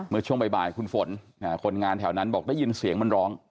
เมื่อช่วงบ่ายคุณฝนคนงานแถวนั้นบอกได้ยินเสียงมันร้อง